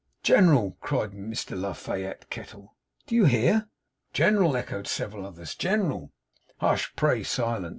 'General!' cried Mr La Fayette Kettle. 'You hear?' 'General!' echoed several others. 'General!' 'Hush! Pray, silence!